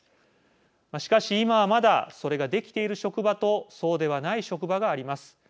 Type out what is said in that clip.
しかし、今はまだそれができている職場とそうではない職場があります。